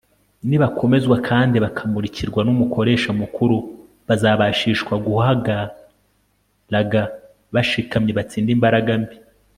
nibakomezwa kandi bakamurikirwa n'umukoresha mukuru, bazabashishwa guhagaraga bashikamye batsinde imbaraga mbi